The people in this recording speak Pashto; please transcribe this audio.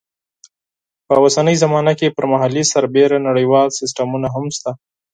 په اوسنۍ زمانه کې پر محلي سربېره نړیوال سیسټمونه هم شته.